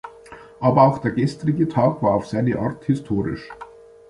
Aber auch der gestrige Tag war auf seine Art historisch.